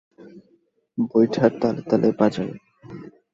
বৈঠার তালে তালে বাজাই।